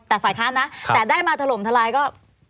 แต่ฝ่ายค้านนะแต่ได้มาถล่มทลายก็